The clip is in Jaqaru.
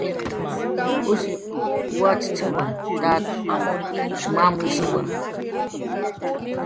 Jushiq wachchawa, tat mamawishiwa